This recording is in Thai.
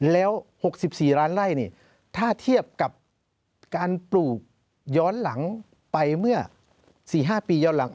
แล้ว๖๔ล้านไล่นี่ถ้าเทียบกับการปลูกย้อนหลังไปเมื่อ๔๕ปีย้อนหลัง